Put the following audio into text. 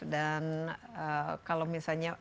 dan kalau misalnya